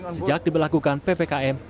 sejak diberlakukan ppkm